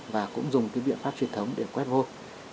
và cũng dùng cái biện pháp truyền thống để quét vôi